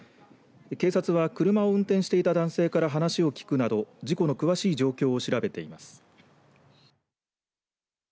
警察は車を運転していた男性から話を聞くなど事故の詳しい状況を調べています。